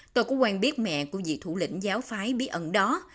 tôi cũng quang biết mẹ của dị thủ lĩnh giáo phái bí ẩn đó